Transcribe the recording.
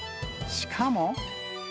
しかも。